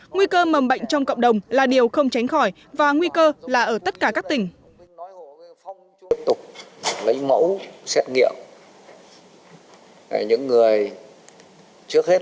nguy cơ mầm bệnh trong cộng đồng là điều không tránh khỏi và nguy cơ là ở tất cả các tỉnh